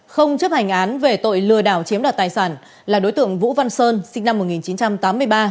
không chấp hành án về tội lừa đảo chiếm đoạt tài sản là đối tượng vũ văn sơn sinh năm một nghìn chín trăm tám mươi ba